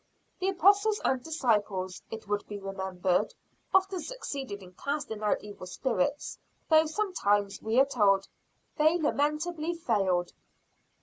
The apostles and disciples, it would be remembered, often succeeded in casting out evil spirits; though sometimes, we are told, they lamentably failed.